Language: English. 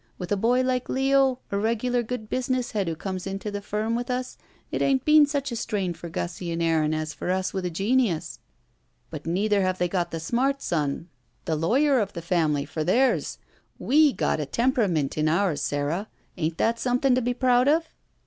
With a boy like Leo, a regular good business head who comes into the firm with us, it ain't been such a strain for Gussie and Aaron as for us with a genius. But neither have they got the smart son, 16 235 ROULETTE the lawyer of the family, for theirs. We got a tem perament in ours, Sara. Ain't that scnnething to be proud of?"